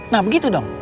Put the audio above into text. nah begitu dong